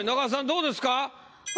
どうですか？